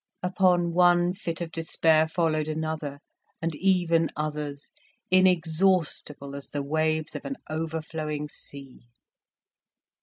Upon one fit of despair followed another, and even others, inexhaustible as the waves of an overflowing sea.